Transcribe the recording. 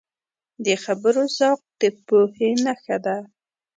د خبرو ذوق د پوهې نښه ده